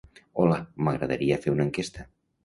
Hola, m'agradaria fer una enquesta.